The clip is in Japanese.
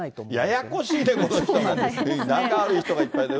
ややこしいね、この人も、仲悪い人がいっぱいいて。